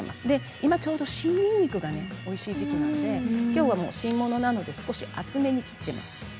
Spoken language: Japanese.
今ちょうど新にんにくがおいしい時期なのできょうは新物なので少し厚めに切っています。